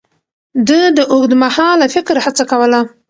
ده د اوږدمهاله فکر هڅه کوله.